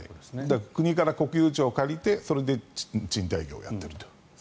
国から国有地を借りて賃貸業をやっていると。